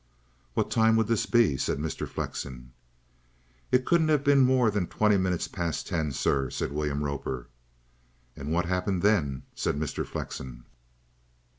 "What time would this be?" said Mr. Flexen. "It couldn't have been more than twenty minutes past ten, sir," said William Roper. "And what happened then?" said Mr. Flexen.